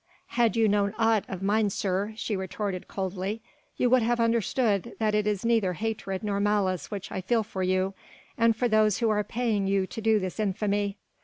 "Had you known aught of mine, sir," she retorted coldly, "you would have understood that it is neither hatred nor malice which I feel for you and for those who are paying you to do this infamy